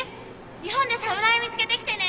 日本でサムライ見つけてきてね！